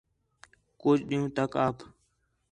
کُج ݙِین٘ہوں تک آپ